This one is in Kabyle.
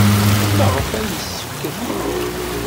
Maɣef ay yessefk ad teqqled?